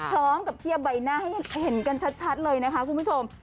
พร้อมกับเทียบใบหน้าให้เห็นกันชัดเลยนะคะคุณผู้ชม